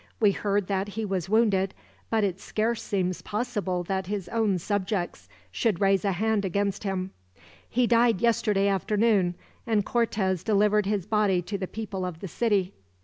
We heard that he was wounded; but it scarce seems possible that his own subjects should raise a hand against him." "He died yesterday afternoon, and Cortez delivered his body to the people of the city."